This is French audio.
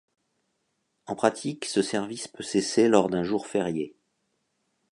En pratique, ce service peut cesser lors d'un jour férié.